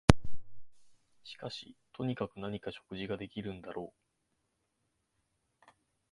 しかしとにかく何か食事ができるんだろう